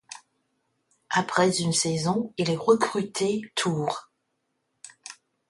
Après une saison, il est recruté Tours.